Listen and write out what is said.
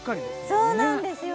そうなんですよ